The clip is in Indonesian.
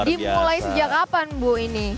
dimulai sejak kapan bu ini